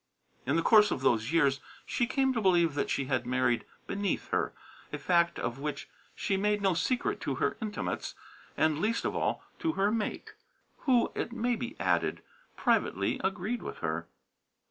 In the course of those years she came to believe that she had married beneath her, a fact of which she made no secret to her intimates and least of all to her mate, who, it may be added, privately agreed with her.